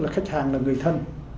khách hàng là người thân